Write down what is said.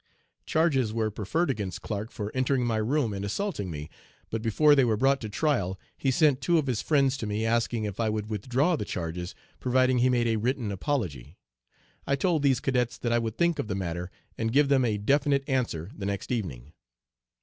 Charges were preferred against Clark for entering my room and assaulting me, but before they were brought to trial he sent two of his friends tome asking if I would withdraw the charges providing he made a written apology. I told these cadets that I would think of the matter and give them a definite answer the next evening.